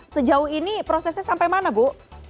sejauh ini prosesnya sampai mana bu